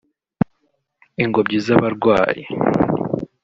ingobyi z’abarwayi